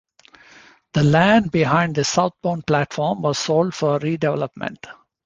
The land behind the southbound platform was sold for redevelopment.